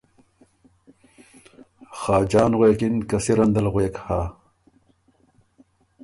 خاجان غوېکِن که سِرن دل غوېک هۀ۔